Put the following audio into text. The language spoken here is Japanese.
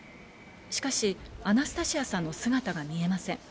しかしアナスタシアさんの姿が見えません。